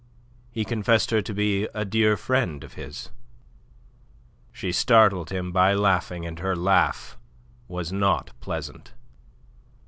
He confessed her to be a dear friend of his." She startled him by laughing, and her laugh was not pleasant.